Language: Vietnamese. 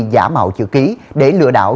giả mạo chữ ký để lựa đảo